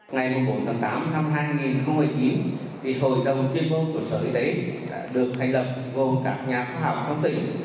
ngày bốn tháng tám năm hai nghìn một mươi chín hội đồng chuyên môn của sở y tế đã được thành lập gồm các nhà khoa học trong tỉnh